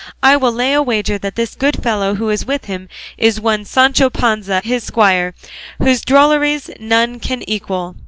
I will lay a wager that this good fellow who is with him is one Sancho Panza his squire, whose drolleries none can equal."